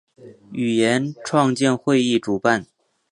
语言创建会议主办。